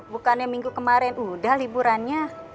bukannya minggu kemarin udah liburannya